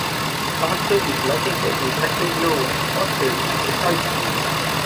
Parker is located in the extreme northwest portion of the county.